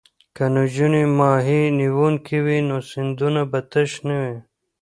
که نجونې ماهي نیونکې وي نو سیندونه به تش نه وي.